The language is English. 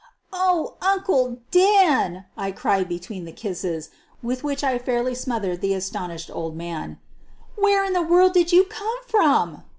"'Oh, Uncle Dan!" I cried between the kisses, with which I fairly smothered the astonished old man; " where in the world did you come from?"